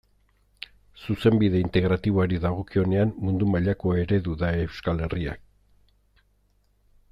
Zuzenbide Integratiboari dagokionean mundu mailako eredu da Euskal Herria.